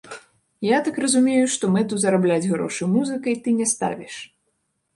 Я так разумею, што мэту зарабляць грошы музыкай ты не ставіш?